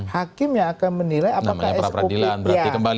hakim yang akan menilai apakah sop nya